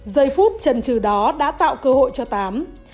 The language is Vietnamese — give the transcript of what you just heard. giây phút trần trừ đó đã tạo cơ hội cho tám